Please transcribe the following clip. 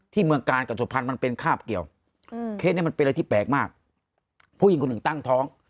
เมืองกาลกับสุพรรณมันเป็นคาบเกี่ยวเคสนี้มันเป็นอะไรที่แปลกมากผู้หญิงคนหนึ่งตั้งท้อง